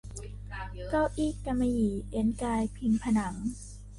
เก้าอี้กำมะหยี่เอนกายพิงผนัง